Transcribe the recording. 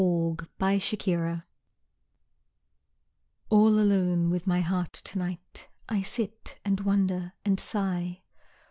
THE OTHER All alone with my heart to night I sit, and wonder, and sigh.